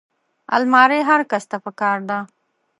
الماري هر کس ته پکار ده